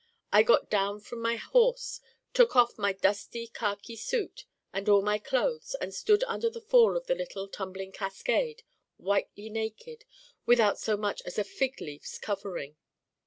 I got down from my horse, took off my dusty khaki suit and all my clothes and stood under the fall of the little tumbling cascade, whitely naked, without so much as a figleaf's covering.